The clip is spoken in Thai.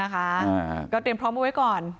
ก็เตรียมพร้อมเอาไว้ก่อน